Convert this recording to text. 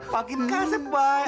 pagi kasem wai